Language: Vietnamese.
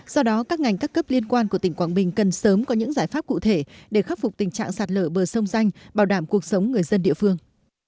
do đó các ngành các cấp liên quan của tỉnh quảng bình cần sớm có những giải pháp cụ thể để khắc phục tình trạng sạt lở bờ sông danh bảo đảm cuộc sống người dân địa phương